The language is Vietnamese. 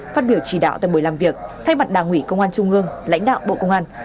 phát biểu chỉ đạo tại buổi làm việc thay mặt đảng ủy công an trung ương lãnh đạo bộ công an